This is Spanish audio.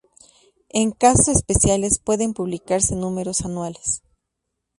En casos especiales pueden publicarse números anuales.